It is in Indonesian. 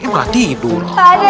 ya malah tidur